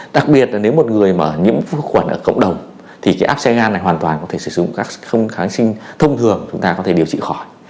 đặc biệt là nếu một người mà nhiễm khuẩn ở cộng đồng thì cái áp xe gan này hoàn toàn có thể sử dụng các không kháng sinh thông thường chúng ta có thể điều trị khỏi